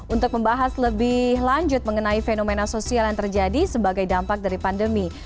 untuk membahas lebih lanjut mengenai fenomena sosial yang terjadi sebagai dampak dari pandemi